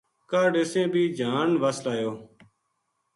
کاہڈ اِسیں بھی جہان وس لایو